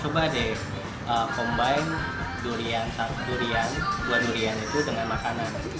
coba deh combine durian durian buat durian itu dengan makanan